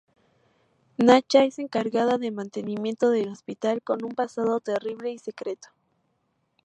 Nacha es encargada de mantenimiento del hospital, con un pasado terrible y secreto.